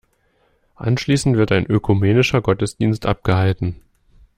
Anschließend wird ein ökumenischer Gottesdienst abgehalten.